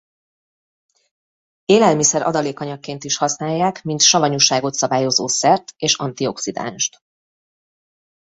Élelmiszer-adalékanyagként is használják mint savanyúságot szabályozó szert és antioxidánst.